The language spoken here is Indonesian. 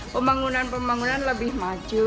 pembangunan pembangunan lebih maju